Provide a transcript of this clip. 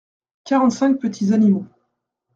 Quarante-cinq petits animaux.